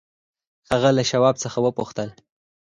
هغه له شواب څخه وپوښتل.